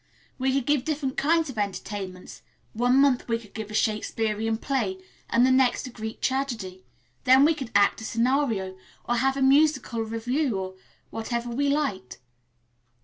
We could give different kinds of entertainments. One month we could give a Shakespearean play and the next a Greek tragedy; then we could act a scenario, or have a musical revue or whatever we liked.